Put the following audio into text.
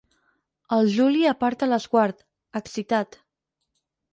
El Juli aparta l'esguard, excitat.